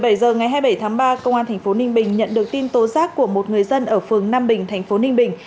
tại giờ ngày hai mươi bảy tháng ba công an tp ninh bình nhận được tin tố giác của một người dân ở phường nam bình tp ninh bình